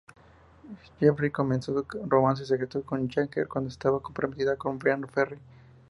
Jerry comenzó un romance secreto con Jagger cuando estaba comprometida con Bryan Ferry.